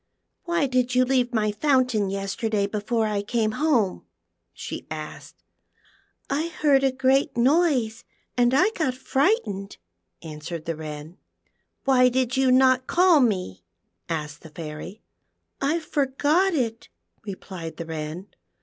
" Why did you leave my fountain yesterday before I came home .^" she asked. " I heard a great noise and I got frightened," answered the Wren. IHE PEARL FOUXTAIN. 1 5 •* Why did you not call me ?" asked the Faiiy. *• I forgot it," replied the Wren.